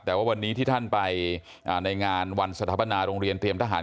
แต่ว่าวันนี้ที่ท่านไปในงานวันสถาปนาโรงเรียนเตรียมทหาร